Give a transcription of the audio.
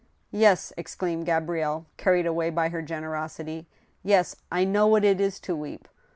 " Yes," exclaimed Gabrielle, carried away by her generosity —" yes, I know what it is to weep.